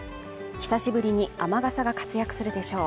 久しぶりに雨傘が活躍するでしょう。